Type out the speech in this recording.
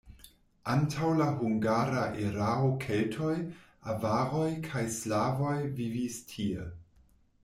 Antaŭ la hungara erao keltoj, avaroj kaj slavoj vivis tie.